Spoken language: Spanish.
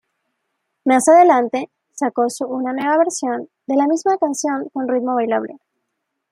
Más adelante sacó su una nueva versión de la misma canción con ritmo bailable.